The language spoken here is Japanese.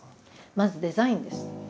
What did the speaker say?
まずデザインです。